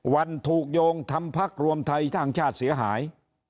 วันถูกโยงทำพักรวมไทยสร้างชาติเสียหาย